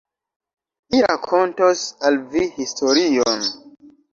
Mi rakontos al vi historion.